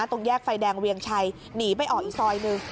ตรงแยกไฟแดงเวียงชัยหนีไปออกอีกซอยหนึ่ง